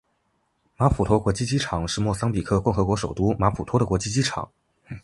马普托国际机场是莫桑比克共和国首都马普托的国际机场。